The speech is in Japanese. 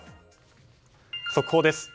速報です。